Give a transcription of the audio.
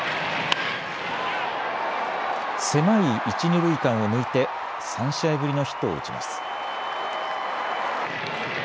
狭い一二塁間を抜いて３試合ぶりのヒットを打ちます。